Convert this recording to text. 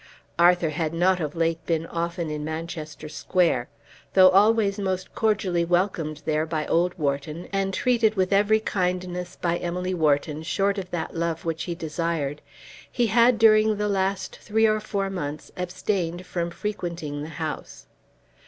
Arthur had not of late been often in Manchester Square. Though always most cordially welcomed there by old Wharton, and treated with every kindness by Emily Wharton short of that love which he desired, he had during the last three or four months abstained from frequenting the house.